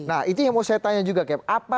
nah itu yang mau saya tanya juga cap